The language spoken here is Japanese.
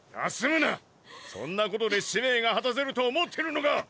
そんなことで使命が果たせると思ってるのか！！